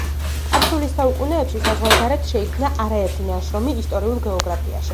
წარსულის საუკუნეებში საზღვარგარეთ შეიქმნა არაერთი ნაშრომი ისტორიულ გეოგრაფიაში.